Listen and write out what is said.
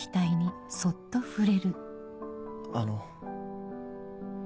あの。